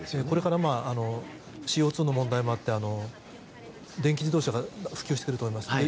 これからＣＯ２の問題もあって電気自動車が普及してくると思います。